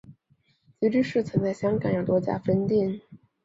吉利市曾在香港有多家分店。